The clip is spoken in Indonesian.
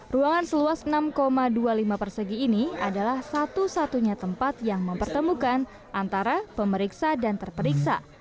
ruangan seluas enam dua puluh lima persegi ini adalah satu satunya tempat yang mempertemukan antara pemeriksa dan terperiksa